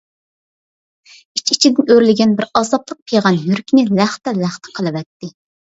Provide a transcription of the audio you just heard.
ئىچ-ئىچىدىن ئۆرلىگەن بىر ئازابلىق پىغان يۈرىكىنى لەختە-لەختە قىلىۋەتتى.